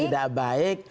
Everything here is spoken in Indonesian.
yang tidak baik